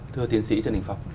thưa tiến sĩ trần đình phong